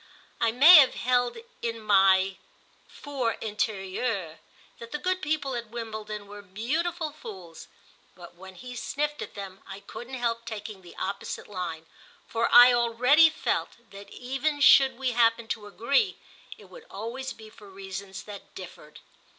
I may have held in my 'for intérieur' that the good people at Wimbledon were beautiful fools, but when he sniffed at them I couldn't help taking the opposite line, for I already felt that even should we happen to agree it would always be for reasons that differed.